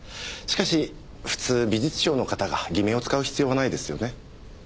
しかし普通美術商の方が偽名を使う必要はないですよね？